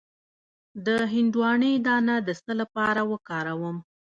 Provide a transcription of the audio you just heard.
د هندواڼې دانه د څه لپاره وکاروم؟